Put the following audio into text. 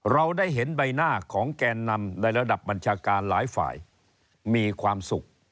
เราได้เห็นใบหน้าของแกนนำในระดับบัญชาการหลายฝ่ายมีความสุข